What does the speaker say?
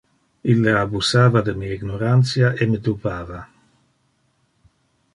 Ille abusava de mi ignorantia e me dupava.